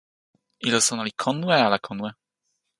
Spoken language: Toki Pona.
ilo sona li konwe ala konwe?